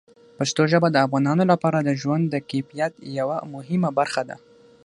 پښتو ژبه د افغانانو لپاره د ژوند د کیفیت یوه مهمه برخه ده.